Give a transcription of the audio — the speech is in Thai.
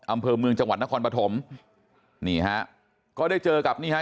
อำเภอเมืองจังหวัดนครปฐมนี่ฮะก็ได้เจอกับนี่ฮะ